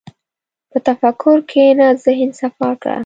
په تفکر کښېنه، ذهن صفا کړه.